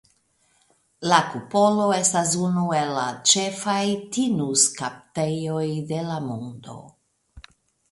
La kupolo estas unu el la ĉefaj tinuskaptejoj de la mondo.